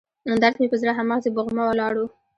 درد مې پر زړه هماغسې بوغمه ولاړ و.